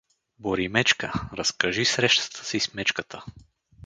— Боримечка, разкажи срещата си с мечката.